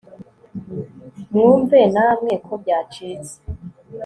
Mwumve namwe ko byacitse